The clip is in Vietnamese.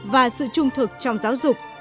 và sự trung thực trong giáo dục